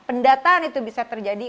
pendataan itu bisa terjadi